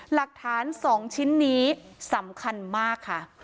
หลักฐาน๒ชิ้นนี้สำคัญมากค่ะ